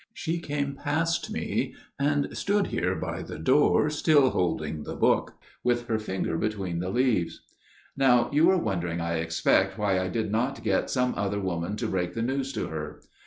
"She came past me, and stood here by the door still holding the book, with her finger between the leaves. "Now you are wondering, I expect, why I did not get some other woman to break the news to her.